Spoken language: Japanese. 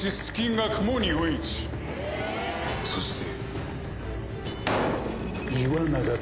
そして。